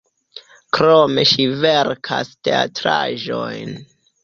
Krome ŝi verkas teatraĵojn.